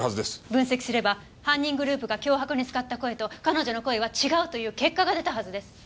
分析すれば犯人グループが脅迫に使った声と彼女の声は違うという結果が出たはずです！